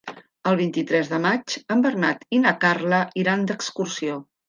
El vint-i-tres de maig en Bernat i na Carla iran d'excursió.